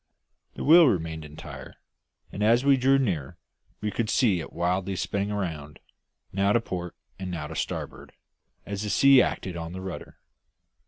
The wheel remained entire, and as we drew nearer we could see it wildly spinning round, now to port and now to starboard, as the sea acted on the rudder.